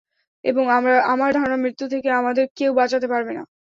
এবং, আমার ধারণা মৃত্যু থেকে আমাদের কেউ বাঁচাতে পারবে না!